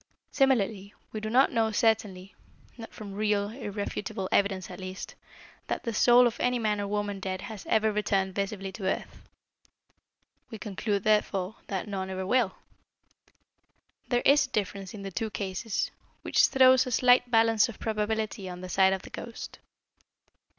Similarly, we do not know certainly not from real, irrefutable evidence at least that the soul of any man or woman dead has ever returned visibly to earth. We conclude, therefore, that none ever will. There is a difference in the two cases, which throws a slight balance of probability on the side of the ghost.